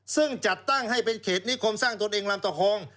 ซึ่งจัดตั้งให้เป็นเขตนิคมสร้างตนเองลำตะคอง